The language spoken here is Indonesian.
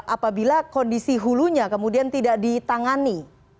apabila kondisi hulunya kemudian tidak ditangani